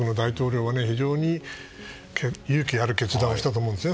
韓国の大統領が非常に勇気ある決断をしたと思うんですね。